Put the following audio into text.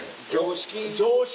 常識。